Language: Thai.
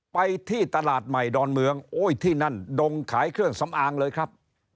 ไปที่ตลาดใหม่ดอนเมืองโอ้ยที่นั่นดงขายเครื่องสำอางเลยครับ